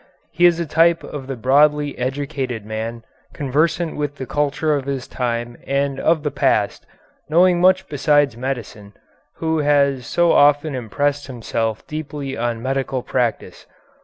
He is a type of the broadly educated man, conversant with the culture of his time and of the past, knowing much besides medicine, who has so often impressed himself deeply on medical practice.